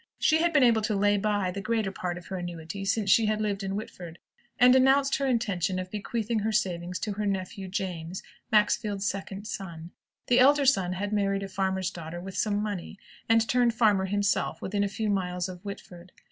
She had been able to lay by the greater part of her annuity since she had lived in Whitford, and announced her intention of bequeathing her savings to her nephew James, Maxfield's second son. The elder son had married a farmer's daughter with some money, and turned farmer himself within a few miles of Whitford.